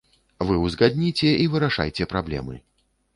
Вы ўзгадніце, і вырашайце праблемы.